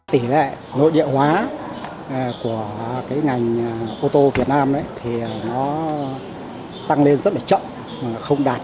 tỷ lệ nội địa hóa của ngành ô tô việt nam tăng lên rất chậm không đạt được như kỳ vọng của chính phủ cũng như của xã hội